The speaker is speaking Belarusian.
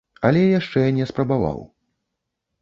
Але яшчэ не спрабаваў.